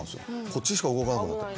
こっちしか動かなくなって。